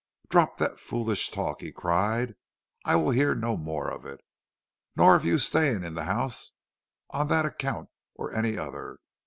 "'Drop that foolish talk,' he cried. 'I will hear no more of it, nor of your staying in the house on that account or any other.